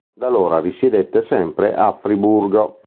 Da allora risiedette sempre a Friburgo.